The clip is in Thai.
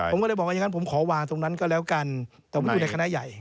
ผมก็เลยบอกว่าอย่างนั้นผมขอวางตรงนั้นก็แล้วกันแต่มันอยู่ในคณะใหญ่